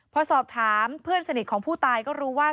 พอสอบถามเพื่อนสนิทของผู้ตายก็รู้ว่า